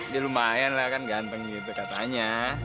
ya lumayan lah kan ganteng gitu katanya